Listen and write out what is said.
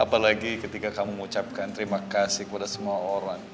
apalagi ketika kamu mengucapkan terima kasih kepada semua orang